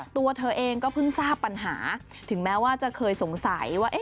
ตัวเธอเองก็เพิ่งทราบปัญหาถึงแม้ว่าจะเคยสงสัยว่า